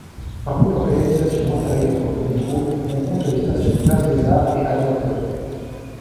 Parmi leurs réalisations antérieures dans le métro, on compte les stations Place-des-Arts et Atwater.